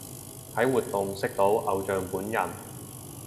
喺活動識到偶像本人